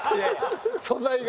素材が？